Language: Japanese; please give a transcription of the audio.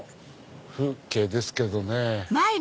風景ですけどね。